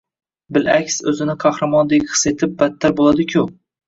Bil`aks, o`zini qahramondek his etib, battar bo`ladi-ku